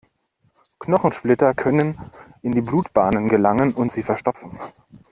Knochensplitter können in die Blutbahnen gelangen und sie verstopfen.